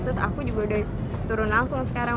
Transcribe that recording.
terus aku juga udah turun langsung sekarang